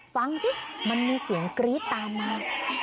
ฟังสิมันมีเสียงกรี๊ดตามมา